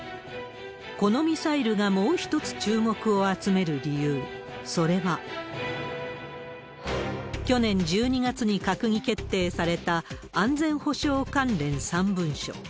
このミサイルがもう一つ注目を集める理由、それは、去年１２月に閣議決定された安全保障関連３文書。